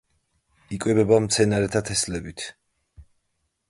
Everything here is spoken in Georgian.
იკვებება მცენარეთა თესლებით.